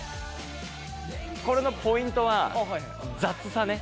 これのポイントは雑さね。